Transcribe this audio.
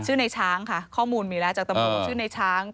ในช้างค่ะข้อมูลมีแล้วจากตำรวจชื่อในช้าง